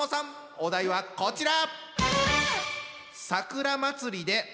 お題はこちら！